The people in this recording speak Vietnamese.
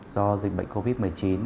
do dịch bệnh covid một mươi chín